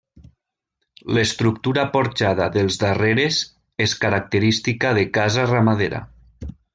L'estructura porxada dels darreres és característica de casa ramadera.